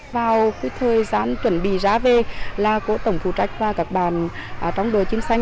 vào cái thời gian chuẩn bị ra về là của tổng phụ trách và các bạn trong đời chim sanh